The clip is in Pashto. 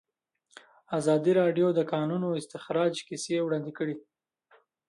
ازادي راډیو د د کانونو استخراج کیسې وړاندې کړي.